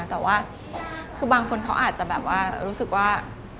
แต่ว่าคือบางคนเขาอาจจะแบบว่ารู้สึกว่า